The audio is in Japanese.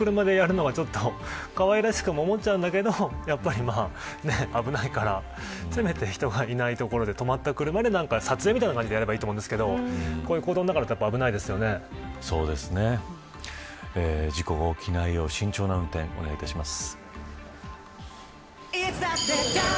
こういう車でやるのがちょっとかわいらしくも思っちゃうんだけどやっぱり危ないからせめて人がいない所で止まった車で撮影みたいな感じでやればいいと思うんですけどこういう公道の中だと事故が起きないよう慎重な運転をお願いします。